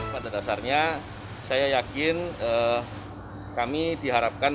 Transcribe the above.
pada dasarnya saya yakin kami diharapkan